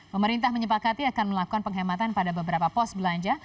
pemerintah menyepakati akan melakukan penghematan pada beberapa pos belanja